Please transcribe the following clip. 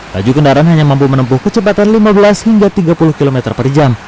laju kendaraan hanya mampu menempuh kecepatan lima belas hingga tiga puluh km per jam